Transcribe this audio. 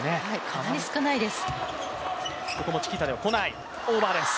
かなり少ないです。